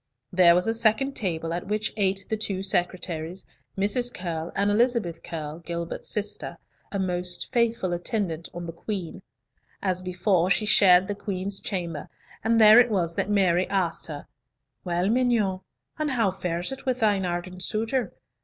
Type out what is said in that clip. There was a second table, at which ate the two secretaries, Mrs. Curll, and Elizabeth Curll, Gilbert's sister, a most faithful attendant on the Queen. As before, she shared the Queen's chamber, and there it was that Mary asked her, "Well, mignonne, and how fares it with thine ardent suitor?